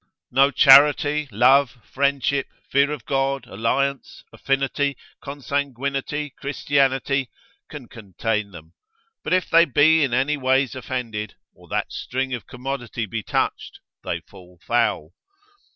No charity, love, friendship, fear of God, alliance, affinity, consanguinity, Christianity, can contain them, but if they be any ways offended, or that string of commodity be touched, they fall foul.